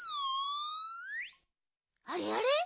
あれあれ？